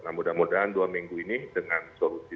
nah mudah mudahan dua minggu ini dengan solusi